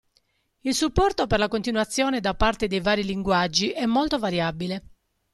Il supporto per la continuazione da parte dei vari linguaggi è molto variabile.